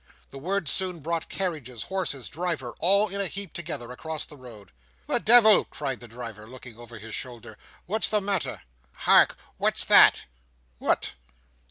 The word soon brought carriage, horses, driver, all in a heap together, across the road. "The devil!" cried the driver, looking over his shoulder, "what's the matter?" "Hark! What's that?" "What?"